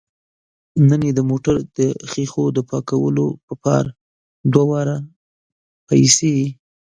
نن یې د موټر د ښیښو د پاکولو په پار دوه واره پیسې